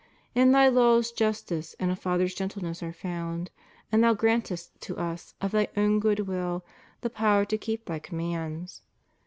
In Thy laws justice and a father's gentleness are found ; and Thou grantest to us of Thy own good will the power to keep Thy commands.